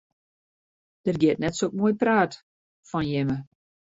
Der giet net sok moai praat fan jimme.